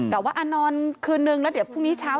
แต่ว่านอนคืนนึงแล้วเดี๋ยวพรุ่งนี้เช้า